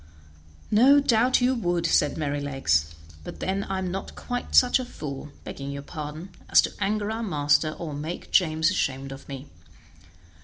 "No doubt you would," said Merrylegs; "but then I am not quite such a fool (begging your pardon) as to anger our master or make James ashamed of me.